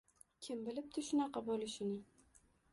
Kim bilibdi shunaqa bo‘lishini!